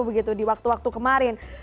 begitu di waktu waktu kemarin